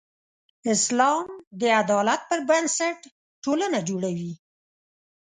اسلام د عدالت پر بنسټ ټولنه جوړوي.